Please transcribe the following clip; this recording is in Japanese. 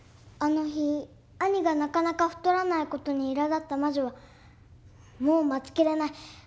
あの日兄がなかなか太らない事にいらだった魔女は「もう待ちきれない！